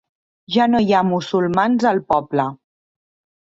Ja no hi ha musulmans al poble.